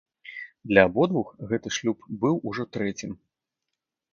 Для абодвух гэты шлюб быў ужо трэцім.